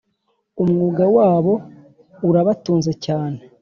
umwuga wabo urabatunze cyane